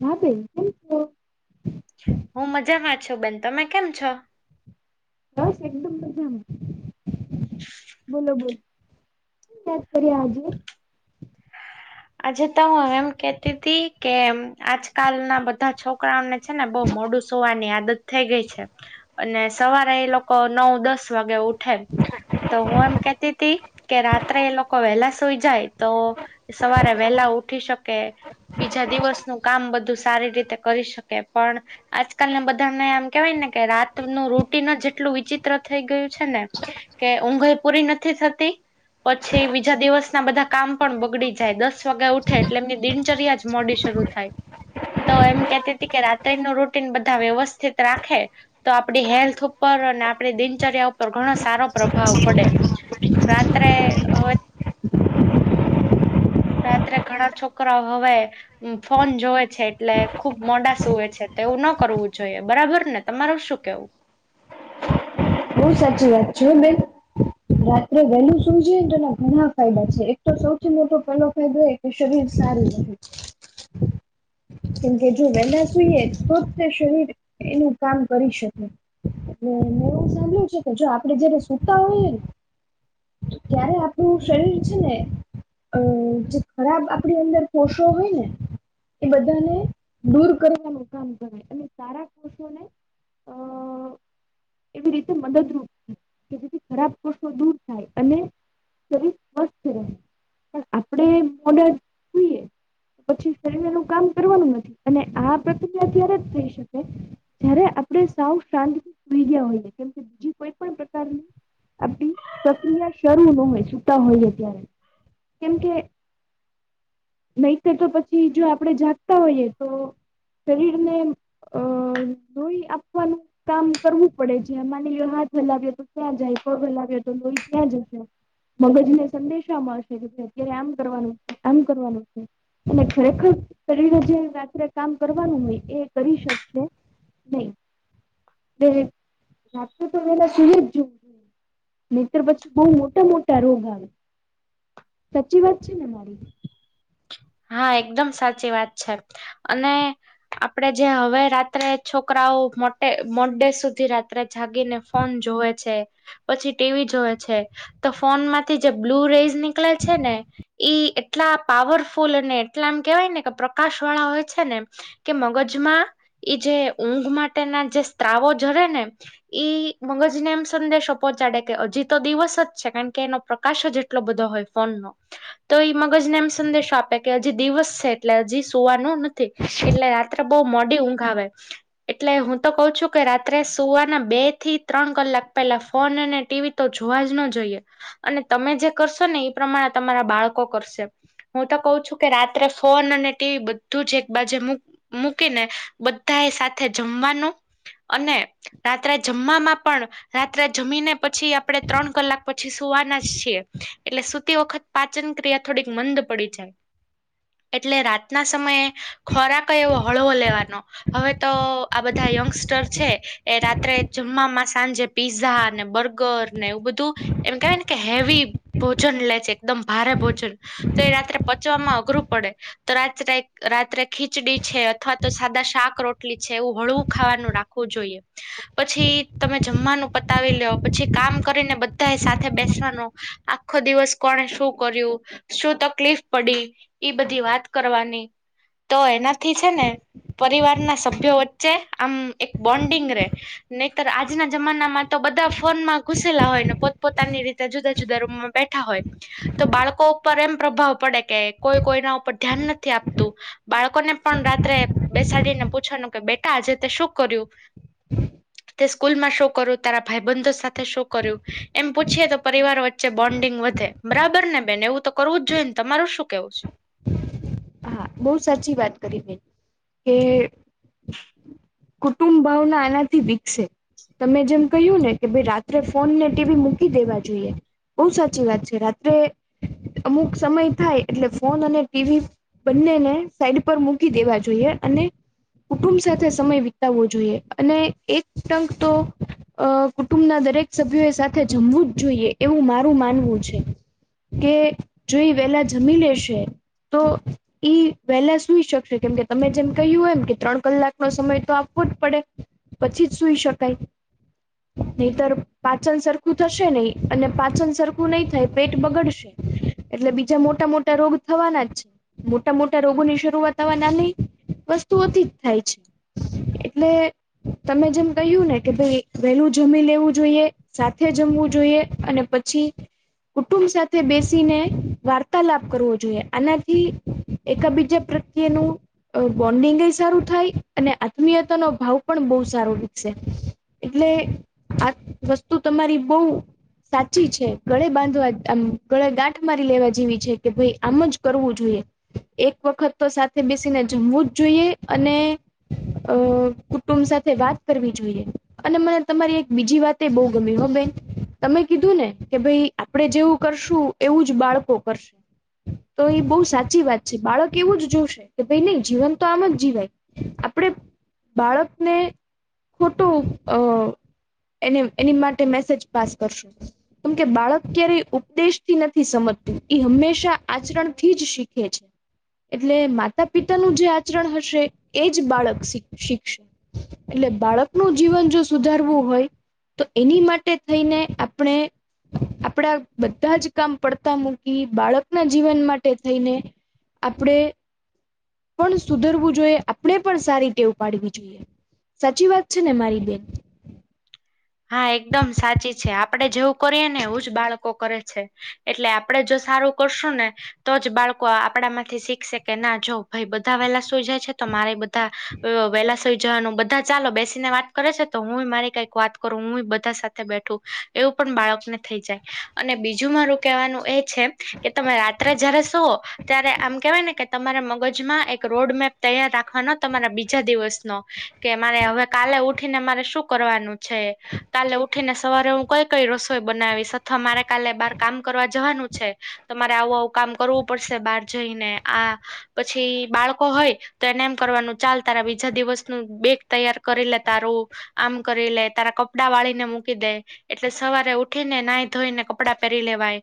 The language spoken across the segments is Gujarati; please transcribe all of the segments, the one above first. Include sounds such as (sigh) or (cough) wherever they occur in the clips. હા બેન કેમ છો? હું મજામાં છું બેન તમે કેમ છો? બસ એકદમ મજામાં બોલો (unintelligible) આજે આજે તો હું એમ કેતી હતી કે આજકાલના બધા છોકરાઓને છે, ને બોવ મોડું સુવાની આદત થઈ ગઈ છે. અને સવારે એ લોકો નવ દસ વાગે ઉઠે તો હું એમ કેતીતી કે રાત્રે એ લોકો વહેલા સુઈ જાય તો સવારે વહેલા ઉઠી શકે બીજા દિવસનું કામ બધું સારી રીતે કરી શકે પણ આજકાલ ને બધાને આમ કેવાય ને કે રાતનું રોટીન જેટલું વિચિત્ર થઈ ગયું છે, ને કે ઊંઘાઈ પૂરી નથી થતી પછી બીજા દિવસના બધા કામ પણ બગડી જાય દસ વાગે ઉઠે એટલે એમની દિનચર્યા જ મોડી શરૂ થાય તો એમ કેતી હતી કે રાત્રિ નુ રૂટીન બધા વ્યવસ્થિત રાખે તો આપડી હેલ્થ ઉપર અને આપણી દિનચર્યા ઉપર ઘણો સારો પ્રભાવ પડે રાત્રે (unintelligible) રાત્રે ઘણા છોકરા હવે ફોન જોવે છે, એટલે ખુબ મોડા સૂવે છે, તો એવું ન કરવું જોઈએ બરાબર ને તમારું શું કેવું? હું સાચી વાત છું બેન રાત્રે વહેલું સૂઈ જએ ને તો એના ઘણા ફાયદા છે, એક તો સૌથી મોટો પહેલો ફાયદો કે શબીર સારી રહે કેમકે જો વેલા સુઈએ તોત શરીર એનું કામ કરી શકે મેં એવું સાંભળ્યું છે, કે જો આપડે જયારે સુતા હોઈએ ને ક્યારે આપણું શરીર છે, ને અ જે ખરાબ આપણી અંદર પોષો હોય ને એ બધાને દૂર કરવાનું કામ ગણાય અને સારા કોષોને અ એવી રીતે મદદરૂપ કે જેથી ખરાબ દૂર થાય અને શરીસ સ્વસ્થ રહે પણ આપણેે મોડલ પછી શરીર એનું કામ કરવાનું નથી અને આ પ્રક્રિયા ત્યારે જ થઈ શકે જયારે આપણે સાવ શાંત (unintelligible) હોયે કેમ કે બીજી કોઈ પણ પ્રકારની આપડી પ્રક્રિયા શરૂ ન હોય છૂતા હોયે ત્યારે કેમકે નહી કે તો પછી જો આપડે જાગતા હોઈએ તો શરીરને અ ધોઈ આપવાનું કામ કરવું પડે જેમાં હાથ હલાવ્યો તો ક્યાં જાય પગ હલાવ્યો તો લોહી ક્યાં જશે મગજને સંદેશા મળશે કે ભાય અત્યારે આમ કરવાનું છે, આમ કરવાનું છે. અને ખરેખર શરીરે જે રાત્રે કામ કરવાનું હોય એ કરી શકશે નહી રા તો પેલા સુઈ જ જવું. નીતર પછી બો મોટા મોટા રોગ આવે સાચી વાત છે, ને મારી? હા એકદમ સાચી વાત છે. અને આપડે જે હવે રાત્રે છોકરાઓ મોટે મો ડે સુધી રાત ત્રે જાગીને ફોન જોવે છે. પછી ટીવી જોવે છે, તો ફોન માંથી જે બ્લુ રેઝ નીકળે છે, ને ઈ એટલા પાવરફુલ અને એટલા એમ કેહેવાય ને કે પ્રકાશ વાળા હોય છે ને એમ. કે મગજમાં ઇજે ઊંઘ માટેના જે સ્ત્રાવો ઝરે ને. ઈ મગજ ને એમ સંદેશો પહોંચાડે કે હજી તો દિવસ જ છે કારણ કે એનો પ્રકાશ જ એટલો બધો હોય. ફોન નો તો ઈ મગજ ને એમ સંદેશ આપ. કે હજી દિવસ છે એટલે હજી સુવાનું નથી એટલે રાત્રે બહુ મોડી ઊંઘ આવે. એટલે હું તો કઉ છું કે રાત્રે સુવાના બે થી ત્રણ કલાક પહેલા ફોન અને ટીવી તો જોવા જ ન જોઈએ અને તમે જે કરશો ને એ પ્રમાણે તમારા બાળકો કરશે. હું તો કઉ છું કે રાત્રે ફોન અને ટીવી બધું જ એક બાજે મુક. મૂકીને બધા એ સાથે જમવાનું અને. રાત્રે જમવામાં પણ રાત્રે જમીને પછી આપણે ત્રણ કલાક પછી સુવાના જ છીએ એટલે સુતી વખત પાચન ક્રિયા થોડીક મંદ પડી એટલે રાતના સમયે ખોરાક એવો હળવો લેવાનો. હવે તો આ બધા યંગસ્ટર છે એ રાત્રે જમવામાં સાંજે પીઝા ને બર્ગર ને એવું બધું એમ થાય ને કે હેવી. ભોજન લે છે એકદમ ભારે ભોજન તો એ રાત્રે પચવામાં અઘરું પડે. તો રાત્રે રાત્રે ખીચડી છે અથવા તો સાદા શાક રોટલી છે એવું હળવું ખાવાનું રાખ. વું જોઈએ. પછી તમે જમવાનું પતાવી લ્યો પછી કામ કરીને બધા એ સાથે બેસવાનું આખો દિવસ કોને શું કર્યું શું તકલીફ પડી ઈ બધી વાત કરવાની તો એનાથી છે ને. પરિવાર ના સભ્યો વચ્ચે આમ એક બોન્ડિંગ રે. નહીતર આજના જમાનામાં તો બધા ફોનમાં ઘુસેલા હોય ને પોતપોતાની રીતે જુદા જુદા રૂમ બેઠા હોય તો બાળકો ઉપર એમ પ્રભાવ પડે. કે કોઈ કોઈના ઉપર ધ્યાન નથી આપતું બાળકો ને પણ રાત્રે બે. બેસાડીને પૂછવાનું કે બેટા આજે તે શું કર્યું. હમ (inaudible) તે સ્કૂલમાં શું કર્યું તારા ભાઈબંધો સાથે શું કર્યું એમ પૂછીએ તો પરિવાર વચ્ચે બોન્ડિંગ વધે. બરાબર ને બેન એવું તો કરવું જ જોએ ને તમારું શું કેવું છે. હા બહુ સાચી વાત કરી તે કે. કુટુંબ ભાવના આનાથી વિક્સે. તમે જેમ કહ્યું ને કે ભાઈ રાત્રે ફોન ને ટીવી મૂકી દેવા જોઈએ. બઉુ સાચી વાત છે રાત્રે અમુક સમય થાય એટલે ફોન અને ટીવી બંને ને સાઈડ પર મૂકી દેવા જોઈએ અને કુટુંબ સાથે સમય વિતાવવો જોઈએ અને એક ટંક તો. અ કુટુંબના દરેક સભ્યો એ સાથે જમવું જ જોઈએ એવું મારું માનવું છે. કે જોઈ વેલા જમી લેશે તો ઈ વહેલા સુઈ શકશે કેમકે તમે જેમ કહ્યું હોય એમ કે ત્રણ કલાકનો સમય તો આપવો જ પડે. પછી જ સુઈ શકાય. નહીતર પાચન સરખું થશે નહી અને પાચન સરખું નહી થાય પેટ બગડશે. એટલે બીજા મોટા મોટા રોગ થવાના જ છે. મોટા મોટા રોગોની શરૂઆત આવા નાની વસ્તુઓથી જ થાય છે. એટલે તમે જેમ કહ્યું ને કે ભાઈ વહેલું જમી લેવું જોઈએ. સાથે જમવું જોઈએ અને પછી. કુટુંબ સાથે બેસીને વાર્તાલાપ કરવો જોઈએ આનાથી એક બીજા પ્રત્યેનું અ બોન્ડિંગ એ સારું થાય અને આત્મીયતા નો ભાવ પણ બહુ સારો વિક્સે. એટલે આ વસ્તુ તમારી બહુ. સાચી છે ગળે બાંધવામ ગળે ગાંઠ મારી લેવા જેવી છે કે ભાઈ આમ જ કરવું જોઈએ. એક વખત તો સાથે બેસીને જમવું જ જોઈએ અને અ કુટુંબ સાથે વાત કરવી જોઈએ અને મને તમારી એક બીજી વાત બહુ ગમી હો બેન તમે કીધું ને કે ભાઈ આપડે જેવું કરશું એવું જ બાળકો કરશે તો એ બહુ સાચી સાચી વાત છે બાળક એવું જ જોશે કે ભાઈ નહી જીવન તો આમ જ જીવાય આપડે બાળકને ખોટો અ એને એની માટે મેસેજ પાસ કરશો કેમકે બાળક ક્યારેય ઉપદેશથી નથી સમજતું હંમેશા આચરણ થી જ શીખ હ છે એટલે માતા પિતાનુંું જે આચરણ હશે એજ બાળક શીખશે એટલે બાળકનુંું જીવન જો સુધારવું હોય તો એની માટે થઈને આપણે આપડા બધા જ કામ પડતા મૂકી બાળક ના જીવન માટે થઈને આપણેે પણ સુધરવું જોઈએ આપણે પણ સારી ટેવ ઉપડવી જોઈએ સાચી વાત છે ને મારી બેન હા એકદમ સાચી છે આપડે જેવું કરીએ ને એવું જ બાળકો કરે છે એટલે આપડે જો સારું કરશું ને તો જ બાળકો આપડા માંથી શીખશે કે ના જો ભાઈ બધા વહેલા સુઈ જાય છે તો મારે બધા વહેલાસઈ જવાનું બધા ચાલો બેસીને વાત કરે છે તો હું મારી કઈક વાત કરું હું બધા સાથે બેઠું એવું પણ બાળકને થઈ જાય અને બીજુંમાં ર કેવાનું એ છે કે તમે રાત્રે જયારે શો ત્યારે આમ કેવાય ને કે તમારા મગજમાં એક રોડ મેપ તૈયાર રાખવાનો તમારા બીજા દિવસનો કે મારે હવે કાલે ઉઠી ને મારે શું કરવાનું છે કાલે ઉઠી ને સવારે હું કઈ કઈ રસોઈ બનાવીશ અથવા મારે કાલે બાર કામ કરવા જવાનું છે તમારે આવું આવું કામ કરવું પડશે બહાર જઈને આ પછી બાળકો હોય તો એને એમ કરવાનું ચાલ તારા બીજા દિવસનું બેગ તૈયાર કરી લે તારું આમ કરી લે તારા કપડાં વાળી ને મૂકી દે એટલે સવારે ઉઠી ને નાહી ધોઈને કપડાં પહેરી લેવાય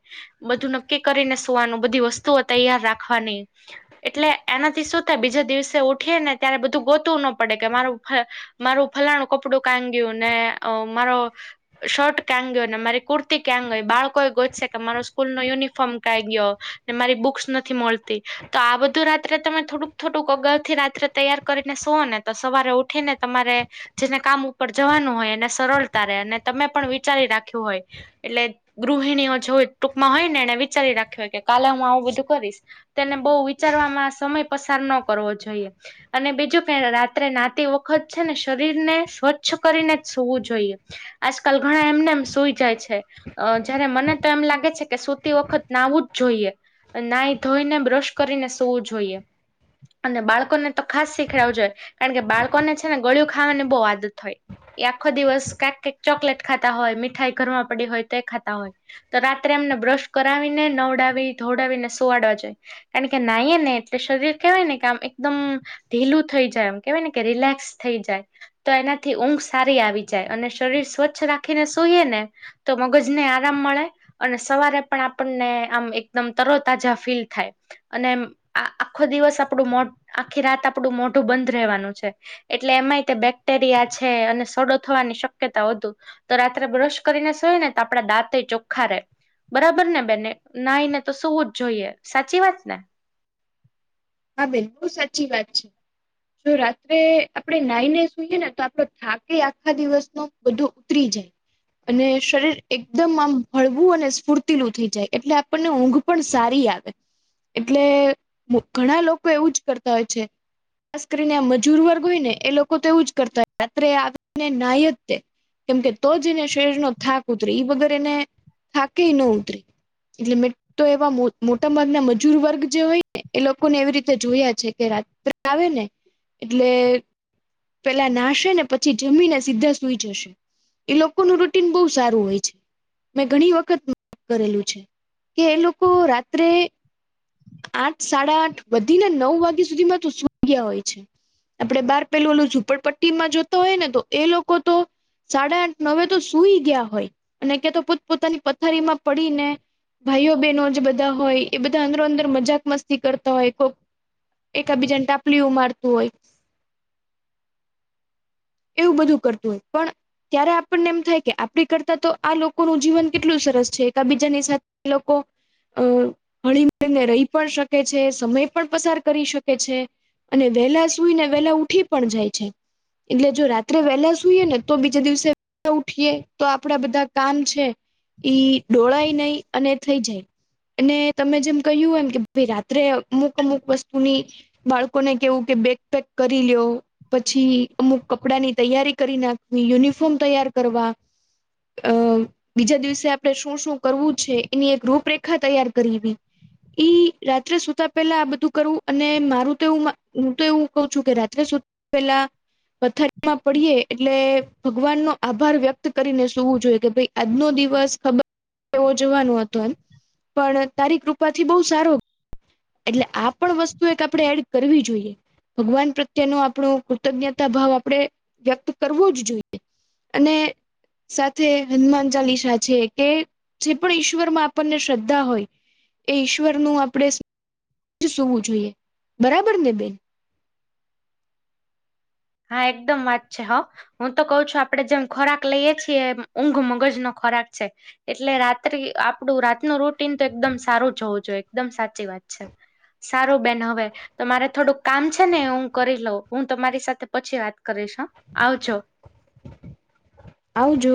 બધું નક્કી કરીને સુવાનું બધી વસ્તુઓ તૈયાર રાખવાની એટલે એનાથી શું થાય બીજા દિવસે ઉઠીએ ને ત્યારે બધું ગોતું ન પડે કે મારું મારું ફલાણું કપડું કાંગ્યું ને મારો શર્ટ કા ગયો ને મારી કુર્તી ક્યાંંગય બાળકો એ ગોતશે કે મારો સ્કૂલ નો યુનિફોર્મ કા ગયો મારી બુક્સ નથી મળતી તો આ બધું રાત્રે તમે થોડુંક થોડુંક અગળ થી રાત્રે તૈયાર કરીને સો ને તો સવારે ઉઠી ને તમારે જેને કામ ઉપર જવાનું હોય એને સરળતા રહે અને તમે પણ વિચારી રાખ્યું હોય એટલે ગૃહિણીઓ જો ટૂંકમાં હોય ને એને વિચારી રાખ્યો હોય કે કાલે હું આવું બધું કરીશ તેને બહુ વિચારવામાં સમય પસાર ન કરવો જોઈએ અને બીજું કે રાત્રે નાતી વખત છે ને શરીરને સ્વચ્છ ચ્છ કરીને જ સવું જોઈએ આજકાલ ઘણા એમને એમ સુઈ જાય છે અ જયારે મને તો એમ લાગે છે કે સુતી વખત નાવું જ જોઈએ નાઈ ધોઈને બ્રશ કરીને સોવું જોઈએ અને બાળકોને તો ખાસ શીખડવું જોઈય કારણ કે બાળકોને છે ને ગળિું ખાવાની બહુ આદત હોય એ આખો દિવસ કંઈક કઈક ચોકલેટ ખાતા હોય મીઠાઈ ઘરમાં પડી હોય તો એ ખાતા હોય તો રાત્રે એમને બ્રશ કરાવીને નવડાવી ધોડાવીને સોવાડવા જાય કારણ કે નાઈએ ને એટલે શરીર કહેવાય ને કે આમ એકદમ ઢીલું થઈ જાય એમ કેવાય ને કે રિલેક્સ થઈ જાય તો એના થી ઊંઘ સારી આવી જાય અને શરીર સ્વચ્છ રાખીને સૂઈએ ને તો મગજ ને આરામ મળે અને સવારે પણ આપણને આમ એકદમ તરતાજા ફીલ થાય અને આ આખો દિવસ આપણું મો આખી રાત આપણું મોઢું બંધ રહેવાનું છે એટલે એમાંય તે બેક્ટેરિયા છે અને સડો થવાની શક્યતા વધુ તો રાત્રે બ્રશ કરીને સોય ને તો આપડા દાંત ચોખ્ખા રહેે. બરાબર ને બેને નાઈ ને તો સુવું જ જોઈએ સાચી વાત ને! હા બેન બહુ સાચી વાત છે. જો રાત્રે આપણેે નાઈને સુઈએ ને તો આપડો થાકે આખા દિવસનો બધું ઉતરી જાય. અને શરીર એકદમ આમ હળવું અને સ્ફૂર્તિલું થઈ જાય એટલે આપણને ઊંઘ પણ સારી આવે એટલે ઘણા લોકો એવું જ કરતા હોય છે. ખાસ કરીને મજૂર વર્ગ હોય ને એ લોકો તો એવું જ કરતા હોય રાત્રે આવીને નાય જ‌ લે. કેમકે તો જ એને શરીરનો થાક ઉતરે એ વગર એને થાકે ન ઉતરે. એટલે મે તો એવા મોટા ભાગના મજૂર વર્ગ જે હોય ને એ લોકો ને એવી રીતે જોયા છે કે રાત્રે આવે ને એટલે પેલા નાશે ને પછી જમીને સીધા સૂઈ જશે. એ લોકોનું રૂટીન બહુ સારું હોય છે. મેં ઘણી વખત કરેલું છે કે એ લોકો રાત્રે આઠ સાડા આઠ બધીને નવ વાગ્યા સુધી માં તો સુય ગયા હોય છે. આપડે બાર પેલું ઓલું ઝુંપડપટ્ટી માં જોતા હોય ને તો એ લોકો તો સાડા આઠ નવે તો સુઈ ગયા હોય અને ક તો પોત પોતાની પથારીમાં પડીને- ભાઈઓ બહેનો જે બધા હોય એ બધા અંદરો અંદર મજાક મસ્તી કરતા હોય કોક એકાબીજાને ટાપલી ઉ મારતું હોય. એવું બધું કરતું હોય પણ ત્યારે આપણને એમ થાય કે આપડી કરતા તો આ લોકોનું જીવન કેટલું સરસ છે એક બીજાની સાથે એલોકો અ હળીને રહી પણ શકે છે સમય પણ પસાર કરી શકે છે. અને વેહેલા સુઈ ને વહેલા ઉઠી પણ જાય છે. એટલે જો રાત્રે વેલા સુઈએ ને તો બીજા દિવસે ઉઠીએ તો આપડા બધા કામ છે. ઈ ડોળાય નહી અને થઈ જાય. અને તમે જેમ કહ્યું એમ કે ભ રાત્રે અમુક અમુક વસ્તુની બાળકોને કેવું કે બેગ પેક કરી લ્યો પછી અમુક કપડાની તૈયારી કરી નાખવી યુનિફોર્મ તૈયાર કરવા અ બીજા દિવસે આપણે શું શું કરવું છે એની એક રૂપરેખા તૈયાર કરવી. ઈ રાત્રે સુતા પેલા આ બધું કરવું અને મારું તો હું તો એવું ક છું કે રાત્રે સુ પેલા પથારીમાં પડીએ એટલે ભગવાન નો આભાર વ્યક્ત કરીને સુવું જોઈએ કે ભાઈ આજનો દિવસ ખબર એવો જોવાનો હતો એમ પણ તારી કૃપાથી બહુ સારો એટલે આ પણ વસ્તુ એક આપણે એડ કરવી જોઈએ. ભગવાન પ્રત્યે ન આપણો કૃતજ્ઞતા ભાવ આપણે વ્યક્ત કરવો જ જોઈએ. અને સાથે હનુમાન ચાલીસા છે કે જે પણ ઈશ્વર માં આપણને શ્રદ્ધા હોય એ ઈશ્વર નું આપણે સુવું જોઈએ બરાબર ને બેન! હા એકદમ વાચ છે હ. હું તો કઉ છું આપડે જેમ ખોરાક લઈએ છીએ ઊંઘ મગજ નો ખોરાક છે. એટલે રાત્રિ આપડું રાતનું રૂટીન તો એકદમ સારું જવું જોઈએ એકદમ સાચી વાત છે. સારું બેન હવે તો મારે થોડુંક કામ છે ને હું કરી લઉં હું તમારી સાથે પછી વાત કરીશ હ આવજો. આવજો.